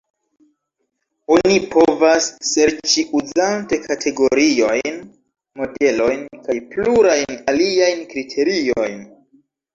Oni povas serĉi, uzante kategoriojn, modelojn kaj plurajn aliajn kriteriojn.